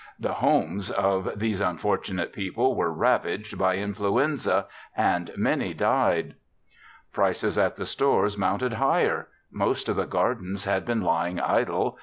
The homes of these unfortunate people were ravaged by influenza and many died. Prices at the stores mounted higher. Most of the gardens had been lying idle.